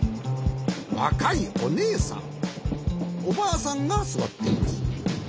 わかいおねえさんおばあさんがすわっています。